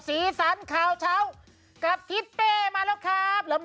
สีสันข่าวเช้ากับทิศเป้มาแล้วครับ